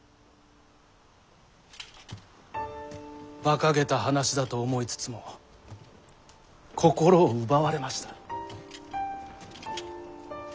バカげた話だと思いつつも心を奪われました。